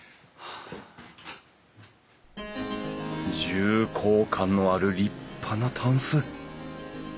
重厚感のある立派なたんす。